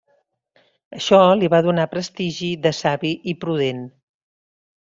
Això li va donar prestigi de savi i prudent.